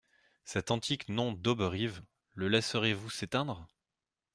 Cet antique nom d'Auberive, le laisserez-vous s'éteindre ?